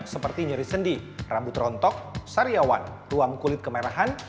seperti nyari sendi rambut rontok sariawan ruang kulit kemerahan